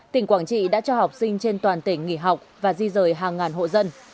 tỉnh quảng trị đã cho học sinh trên toàn tỉnh nghỉ học và di rời hàng ngàn hộ dân